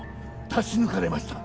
出し抜かれました。